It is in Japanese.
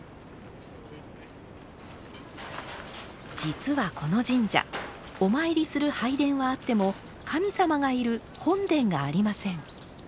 実はこの神社お参りする拝殿はあっても神様がいる本殿がありません。